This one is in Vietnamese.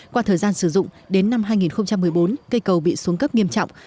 qua thời gian sử dụng đến năm hai nghìn một mươi bốn cây cầu bị xuống cấp nghiêm trọng